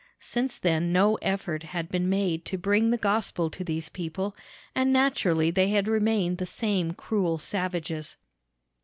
Since then no effort had been made to bring the gospel to these people, and naturally they had remained the same cruel savages.